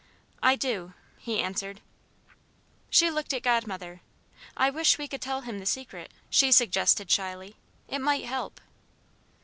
"I do," he answered. She looked at Godmother. "I wish we could tell him the Secret," she suggested shyly, "it might help."